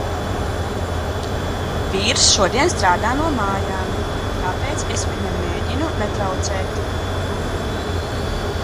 Vīrs šodien strādā no mājām, tāpēc es viņam mēģinu netraucēt.